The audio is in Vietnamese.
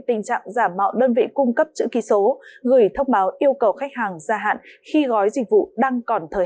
tình trạng giả mạo đơn vị cung cấp chữ ký số gửi thông báo yêu cầu khách hàng gia hạn khi gói